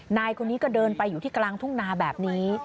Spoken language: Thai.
นายคนนี้ก็เดินไปอยู่ที่กลางทุ่งนาแบบนี้